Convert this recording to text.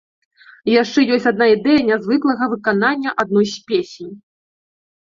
Яшчэ ёсць адна ідэя нязвыклага выканання адной з песень.